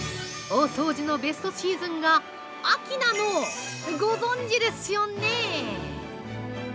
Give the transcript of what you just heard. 大掃除のベストシーズンが秋なのを、ご存知ですよね？